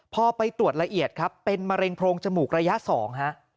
พอไปตรวจละเอียดครับเป็นมะเร็งโพรงจมูกระยะ๒ฮะ